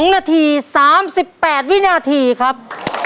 ๒นาที๓๘วินาทีครับ